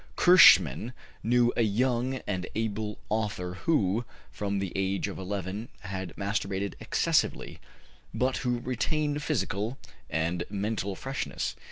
Curschmann knew a young and able author who, from the age of 11 had masturbated excessively, but who retained physical and mental freshness.